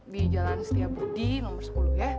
di jalan setia budi nomor sepuluh ya